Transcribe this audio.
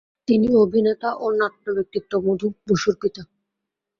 তিনি অভিনেতা ও নাট্যব্যক্তিত্ব মধু বসুর পিতা।